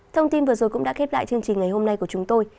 thông tin vừa rồi cũng đã khép lại chương trình ngày hôm nay của chúng tôi